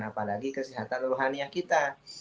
apalagi kesehatan rohani kita